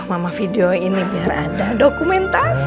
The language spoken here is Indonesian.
mama video ini biar ada dokumentasi